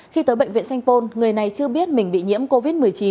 khi tới bệnh viện sanh pôn người này chưa biết mình bị nhiễm covid một mươi chín